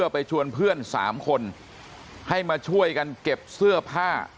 ไปชวนเพื่อน๓คนให้มาช่วยกันเก็บเสื้อผ้า